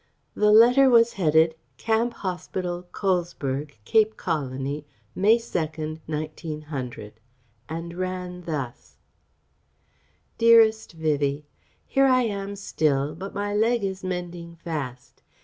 The letter was headed "Camp Hospital, Colesberg, Cape Colony, May 2, 1900"; and ran thus: DEAREST VIVIE, Here I am still, but my leg is mending fast.